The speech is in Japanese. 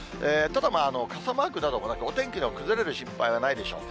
ただ、傘マークなどもなく、お天気の崩れる心配はないでしょう。